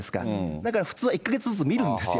だから普通は１か月ずつ見るんですよ。